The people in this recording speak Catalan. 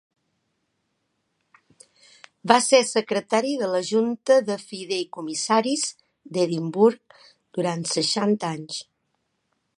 Va ser secretari de la Junta de Fideïcomissaris d'Edimburg durant seixanta anys.